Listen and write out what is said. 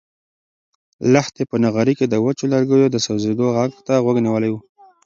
لښتې په نغري کې د وچو لرګیو د سوزېدو غږ ته غوږ نیولی و.